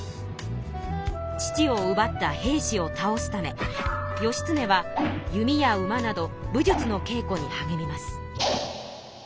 父をうばった平氏を倒すため義経は弓や馬など武術の稽古に励みます。